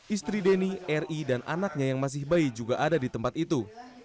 istri deni ri dan anaknya yang masih bayi juga ada di tempat itu